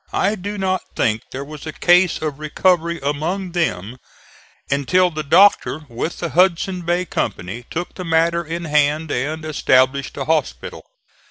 I do not think there was a case of recovery among them, until the doctor with the Hudson Bay Company took the matter in hand and established a hospital.